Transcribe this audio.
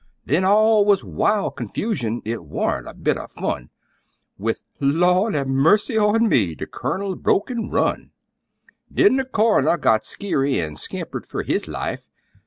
Then all wuz wild confusion it warn't a bit o' fun! With "Lord, have mercy on me," the Colonel broke an' run! Then the coroner got skeery an' scampered fer his life!